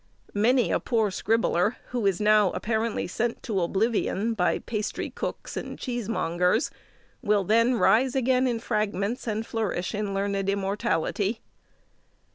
Many a poor scribbler, who is now apparently sent to oblivion by pastry cooks and cheesemongers, will then rise again in fragments, and flourish in learned immortality.